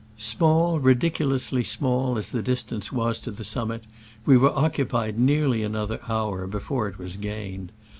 Small, ridiculously small, as the dis tance was to the summit, we were occu pied nearly another hour before it was gained.